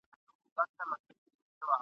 مګر که له اورېدونکو څخه !.